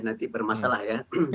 nanti bermasalah ya